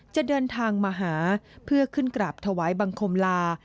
จะเดินทางมาหาเพื่อขึ้นกราบถวายบังคมลา